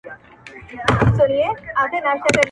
د ښار کوڅې به وي لښکر د ابوجهل نیولي!.